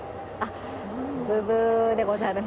ぶぶーでございます。